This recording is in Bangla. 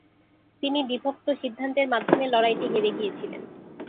তিনি বিভক্ত সিদ্ধান্তের মাধ্যমে লড়াইটি হেরে গিয়েছিলেন।